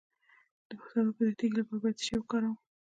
د پښتورګو د تیږې لپاره باید څه شی وکاروم؟